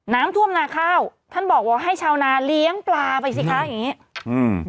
น้ำท่วมนาข้าวท่านบอกว่าให้ชาวนาเลี้ยงปลาไปสิคะอย่างงี้อืม